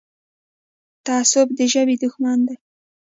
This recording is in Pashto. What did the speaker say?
تعصب د ژبې دښمن دی.